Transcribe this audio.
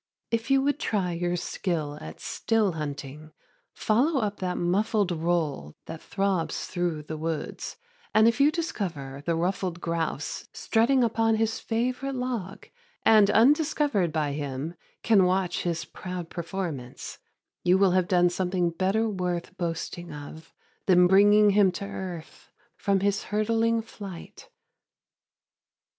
If you would try your skill at still hunting, follow up that muffled roll that throbs through the woods, and if you discover the ruffed grouse strutting upon his favorite log, and undiscovered by him can watch his proud performance, you will have done something better worth boasting of than bringing him to earth from his hurtling flight.